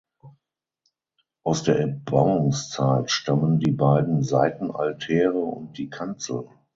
Aus der Erbauungszeit stammen die beiden Seitenaltäre und die Kanzel.